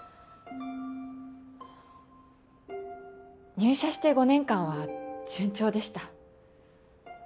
入社して５年間は順調でした。